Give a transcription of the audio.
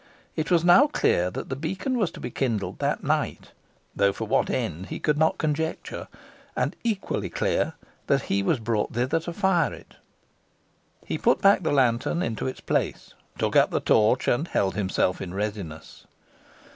It was now clear the beacon was to be kindled that night, though for what end he could not conjecture, and equally clear that he was brought thither to fire it. He put back the lantern into its place, took up the torch, and held himself in readiness.